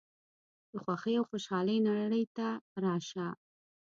د خوښۍ او خوشحالۍ نړۍ ته راشه.